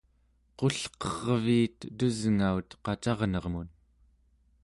qulqerviit tusngaut qacarnermun